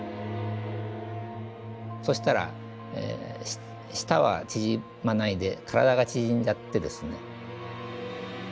そしたら舌は縮まないで体が縮んじゃってですね。